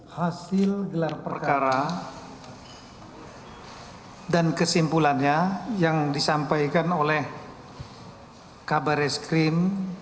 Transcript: hasil gelar perkara dan kesimpulannya yang disampaikan oleh kabar eskrim